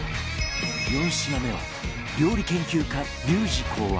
４品目は料理研究家リュウジ考案